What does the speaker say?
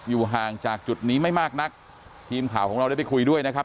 อยู่ห่างจากจุดนี้ไม่มากนักทีมข่าวของเราได้ไปคุยด้วยนะครับ